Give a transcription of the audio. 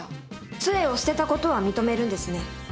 杖を捨てたことは認めるんですね？